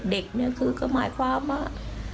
เด็กเนี่ยคือก็หมายความว่า